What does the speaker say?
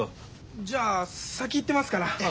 じゃあ先行ってますから。